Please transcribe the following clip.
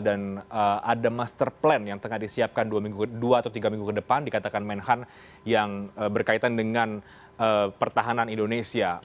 dan ada master plan yang tengah disiapkan dua atau tiga minggu ke depan dikatakan menhan yang berkaitan dengan pertahanan indonesia